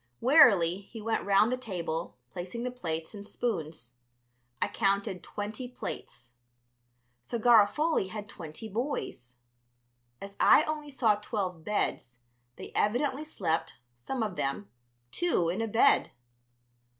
Wearily he went round the table, placing the plates and spoons. I counted twenty plates. So Garofoli had twenty boys. As I only saw twelve beds, they evidently slept, some of them, two in a bed.